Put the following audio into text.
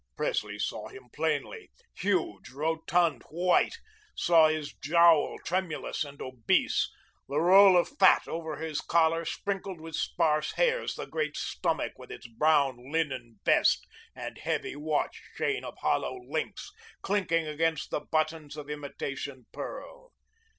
Presley saw him plainly, huge, rotund, white; saw his jowl tremulous and obese, the roll of fat over his collar sprinkled with sparse hairs, the great stomach with its brown linen vest and heavy watch chain of hollow links, clinking against the buttons of imitation pearl.